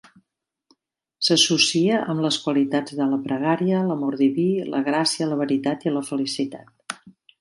S'associa amb les qualitats de la pregària, l'amor diví, la gràcia, la veritat i la felicitat.